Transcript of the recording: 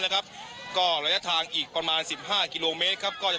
นะครับก็ระยะทางอีกประมาณสิบห้ากิโลเมตรครับก็จะ